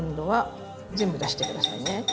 全部出して下さいね。